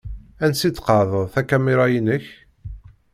Ansi d-tqeεεdeḍ takamira-inek?